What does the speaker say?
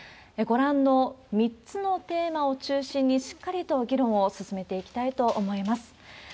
ご覧の３つのテーマを中心に、しっかりと議論を進めていきたいと思います。